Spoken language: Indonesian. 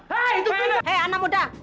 hei anak muda